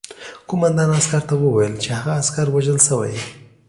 قوماندان عسکر ته وویل چې هغه عسکر وژل شوی